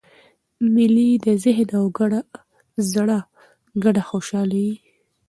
مېلې د ذهن او زړه ګډه خوشحاله يي.